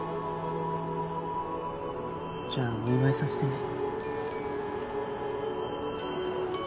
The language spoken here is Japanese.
じゃあお祝いさせてね。